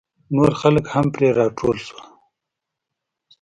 نور خلک هم پرې راټول شول.